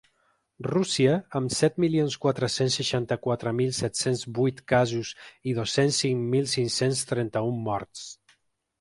Rússia, amb set milions quatre-cents seixanta-quatre mil set-cents vuit casos i dos-cents cinc mil cinc-cents trenta-un morts.